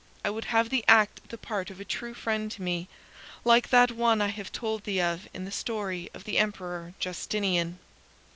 I would have thee act the part of a true friend to me like that one I have told thee of in the story of the Emperor Justinian.